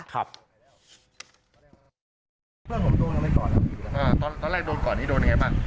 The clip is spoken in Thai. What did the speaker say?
ตอนนั้นพวกพี่มีอยู่คนที่โดนหาเรื่อง